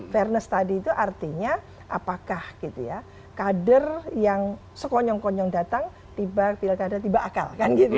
fairness tadi itu artinya apakah kader yang sekonyong konyong datang tiba akal